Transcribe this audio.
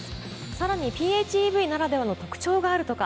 さらにＰＨＥＶならではの特長があるとか。